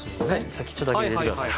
先っちょだけ入れてください。